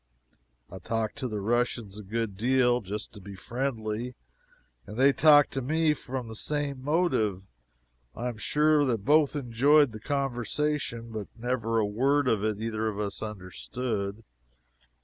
I talked to the Russians a good deal, just to be friendly, and they talked to me from the same motive; I am sure that both enjoyed the conversation, but never a word of it either of us understood.